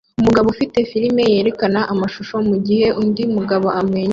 Umugabo ufite firime yerekana amashusho mugihe undi mugabo amwenyura